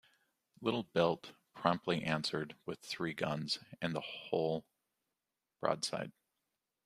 "Little Belt" promptly answered with three guns, and then a whole broadside.